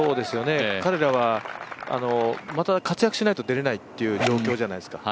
彼らはまた活躍しないと出られないという状況じゃないですか。